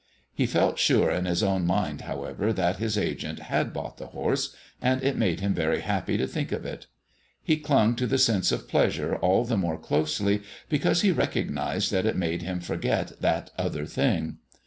He felt sure in his own mind, however, that his agent had bought the horse, and it made him very happy to think of it. He clung to the sense of pleasure all the more closely because he recognized that it made him forget that other thing.